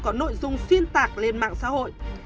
có nội dung xuyên tạc lên mạng xã hội